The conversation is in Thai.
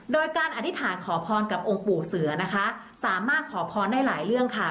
โดยการอธิษฐานขอพรกับองค์ปู่เสือนะคะสามารถขอพรได้หลายเรื่องค่ะ